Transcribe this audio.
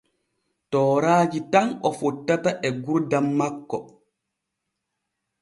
Tooraaji tan o fottata e gurdam makko.